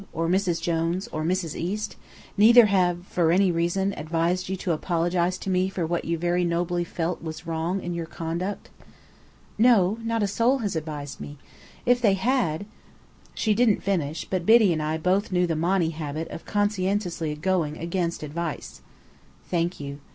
Or Mrs. Jones or Mrs. East? Neither have for any reason advised you to apologize to me for what you very nobly felt was wrong in your conduct?" "No. Not a soul has advised me. If they had " She didn't finish, but Biddy and I both knew the Monny habit of conscientiously going against advice. "Thank you.